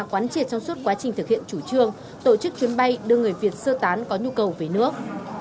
quán triệt trong suốt quá trình thực hiện chủ trương tổ chức chuyến bay đưa người việt sơ tán có nhu cầu về nước